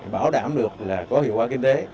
bảo đảm được là có hiệu quả kinh tế